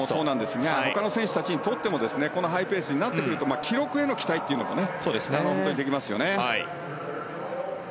ほかの選手たちにとってもこのハイペースになってくると記録への期待というのもできますよね。